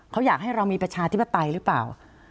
เขาอยากให้เรามีประชาธิปไตยหรือเปล่า